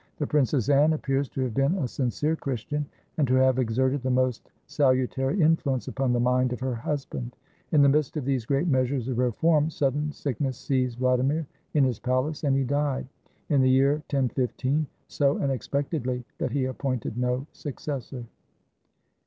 The Princess Anne appears to have been a sincere Christian, and to have exerted the most salu tary influence upon the mind of her husband. In the midst of these great measures of reform, sudden sickness seized Vladimir in his palace, and he died, in the year 1015, so unexpectedly that he appointed no successor.